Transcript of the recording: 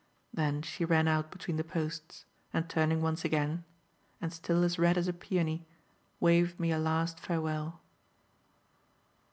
Then she ran out between the posts, and, turning once again and still as red as a peony waved me a last farewell.